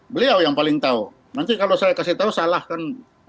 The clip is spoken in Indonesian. beliau yang paling tahu nanti kalau saya kasih tahu salah kan